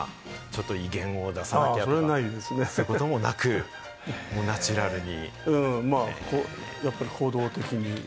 威厳を出さなきゃとか、そういうこともなく、ナチュラルに？